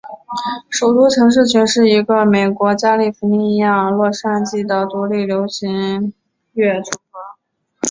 首都城市群是一个来自美国加利福尼亚州洛杉矶的独立流行乐组合。